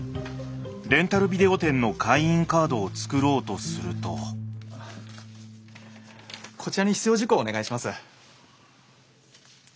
レンタルビデオ店の会員カードを作ろうとするとこちらに必要事項をお願いします。